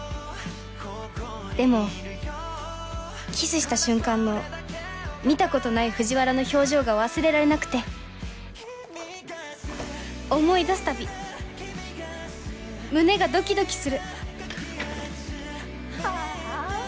でもキスした瞬間の見たことない藤原の表情が忘れられなくて思い出すたび胸がドキドキするハァ！